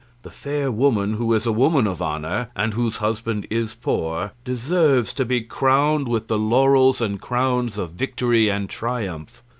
The fair woman who is a woman of honour, and whose husband is poor, deserves to be crowned with the laurels and crowns of victory and triumph.